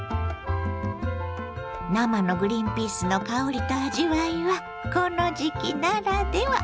生のグリンピースの香りと味わいはこの時期ならでは！